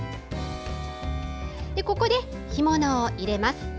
ここで、干物を入れます。